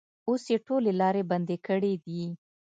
اوس یې ټولې لارې بندې کړې دي.